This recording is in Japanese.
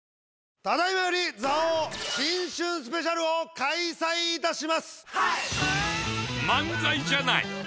ただいまより「座王新春ＳＰ」を開催いたします！